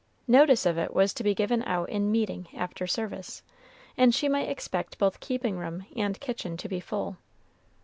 Notice of it was to be given out in "meeting" after service, and she might expect both keeping room and kitchen to be full.